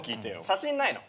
写真ないの？